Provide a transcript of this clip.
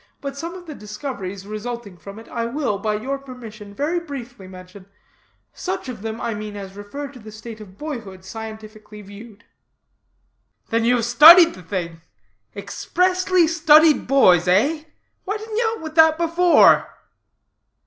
But some of the discoveries resulting from it, I will, by your permission, very briefly mention; such of them, I mean, as refer to the state of boyhood scientifically viewed." "Then you have studied the thing? expressly studied boys, eh? Why didn't you out with that before?"